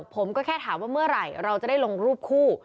ผมก็แค่ถามว่าเมื่อไหร่เราจะได้ลงรูปคู่